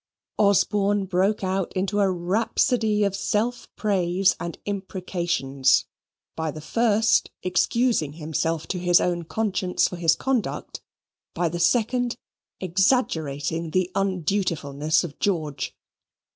Osborne broke out into a rhapsody of self praise and imprecations; by the first, excusing himself to his own conscience for his conduct; by the second, exaggerating the undutifulness of George.